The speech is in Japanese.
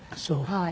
はい。